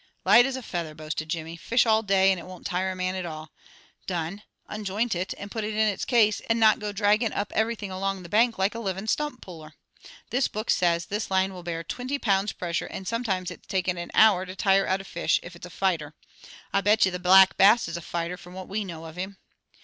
"Light as a feather," boasted Jimmy. "Fish all day and it won't tire a man at all. Done unjoint it and put it in its case, and not go dragging up everything along the bank like a living stump puller. This book says this line will bear twinty pounds pressure, and sometimes it's takin' an hour to tire out a fish, if it's a fighter. I bet you the Black Bass is a fighter, from what we know of him."